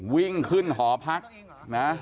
วิ่งขึ้นหอพักนะ